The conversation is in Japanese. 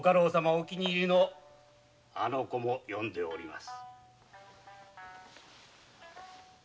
お気に入りのあの妓も呼んでおります。